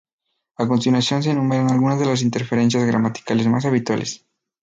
A continuación se enumeran algunas de las interferencias gramaticales más habituales.